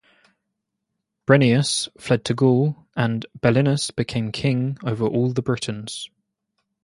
Brennius fled to Gaul and Belinus became king over all the Britons.